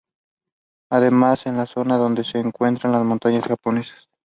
Además es la zona donde se encuentra la Montaña Japonesa （日本アルプス）.